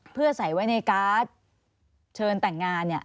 เพื่อใส่ไว้ในการ์ดเชิญแต่งงานเนี่ย